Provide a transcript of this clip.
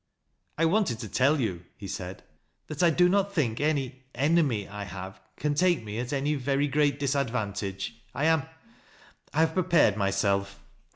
" I wanted to tell you," he said, " that I do not thin! any — enemy I have, can take me at any very great dis advantage. I am — I have prepared myself."